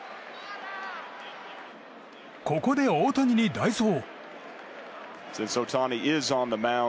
ここで大谷に代走。